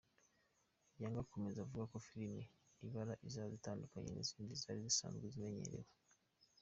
Yanga akomeza avuga ko Filime “Ibara”izaza itandukanye n’izindi zari zisanzwe zimenyerewe.